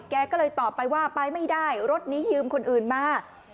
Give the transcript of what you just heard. แกก็เลยตอบไปว่าไปไม่ได้รถนี้ยืมคนอื่นมา